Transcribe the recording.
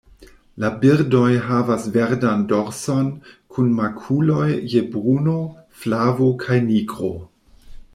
La birdoj havas verdan dorson, kun makuloj je bruno, flavo kaj nigro.